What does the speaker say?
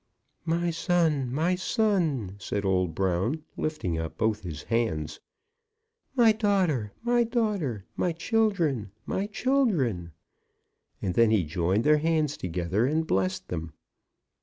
"My son, my son!" said old Brown, lifting up both his hands. "My daughter, my daughter! My children, my children!" And then he joined their hands together and blessed them.